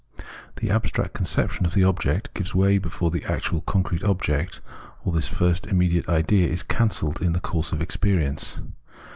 The abstract conception of the object gives way before the actual concrete object, or the first immediate idea is cancelled in the course of experience.